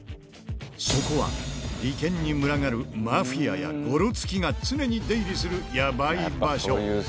そこは利権に群がるマフィアやゴロツキが常に出入りするヤバい場所。